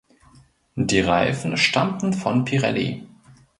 Die Reifen stammten von Pirelli.